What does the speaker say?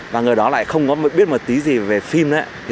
và người đó lại không biết một tí gì về phim nữa